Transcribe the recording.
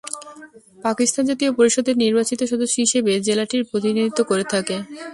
পাকিস্তান জাতীয় পরিষদ এর নির্বাচিত সদস্য হিসেবে জেলাটির প্রতিনিধিত্ব করে থাকে।